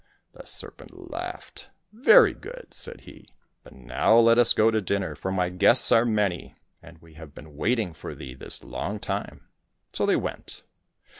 The serpent laughed. " Very good !" said he, " but now let us go to dinner, for my guests are many, and we have been waiting for thee this long time." So they went.